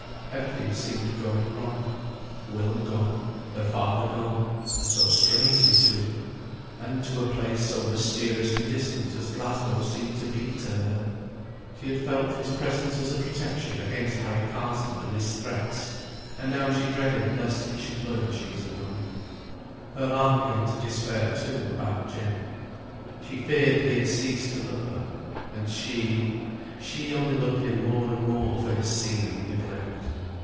Everything seemed going wrong. Will gone; her father gone and so strangely too! And to a place so mysteriously distant as Glasgow seemed to be to her! She had felt his presence as a protection against Harry Carson and his threats; and now she dreaded lest he should learn she was alone. Her heart began to despair, too, about Jem. She feared he had ceased to love her; and she she only loved him more and more for his seeming neglect.